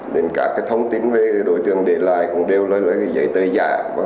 nên các thông tin về đối tượng để lại cũng đều là giấy tờ giả